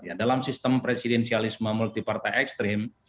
ya dalam sistem presidenialisme multipartai ekstrim